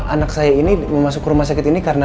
anak saya ini masuk ke rumah sakit ini karena